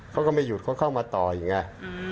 เขาก็ไม่หยุดเขาเข้ามาต่ออย่างนี้